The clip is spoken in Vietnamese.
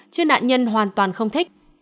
chứ nạn nhân hoàn toàn không thích